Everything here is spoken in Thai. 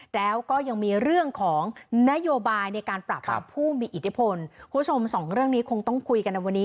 แล้วก็ยังมีเรื่องของนโยบายในการปราบปรามผู้มีอิทธิพลคุณผู้ชมสองเรื่องนี้คงต้องคุยกันในวันนี้